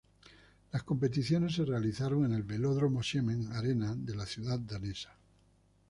Las competiciones se realizaron en el velódromo Siemens Arena de la ciudad danesa.